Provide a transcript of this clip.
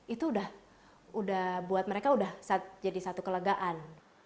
itu udah buat mereka udah jadi satu kelegaan